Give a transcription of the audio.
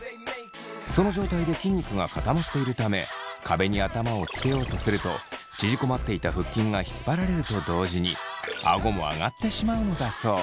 その状態で筋肉が固まっているため壁に頭をつけようとすると縮こまっていた腹筋が引っ張られると同時にあごも上がってしまうのだそう。